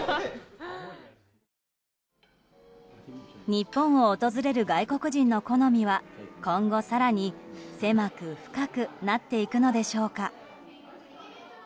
日本を訪れる外国人の好みは今後更に狭く深くなっていくのでしょうか。